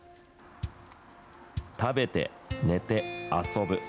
食べて寝て遊ぶ。